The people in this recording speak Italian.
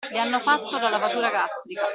Le hanno fatto la lavatura gastrica.